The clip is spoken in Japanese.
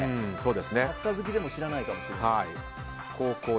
サッカー好きでも知らないかもしれない。